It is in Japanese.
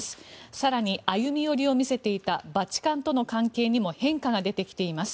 更に、歩み寄りを見せていたバチカンとの関係にも変化が出てきています。